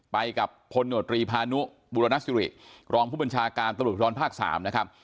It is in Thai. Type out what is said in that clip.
ไปกับพลโนตรีพานุบุรณสิริรองผู้บัญชาการตำรวจภูทรภาค๓นะครับ